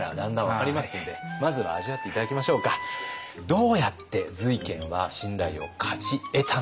どうやって瑞賢は信頼を勝ち得たのか。